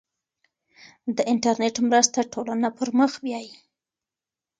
د انټرنیټ مرسته ټولنه پرمخ بیايي.